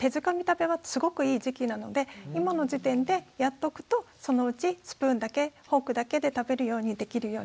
食べはすごくいい時期なので今の時点でやっとくとそのうちスプーンだけフォークだけで食べるようにできるようになってきます。